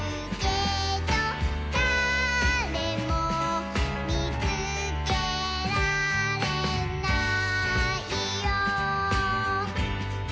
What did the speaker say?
「だれもみつけられないよ」